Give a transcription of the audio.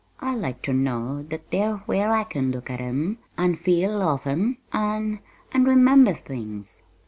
"I like ter know that they're where I can look at 'em, an' feel of 'em, an' an' remember things.